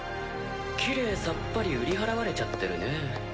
きれいさっぱり売り払われちゃってるね。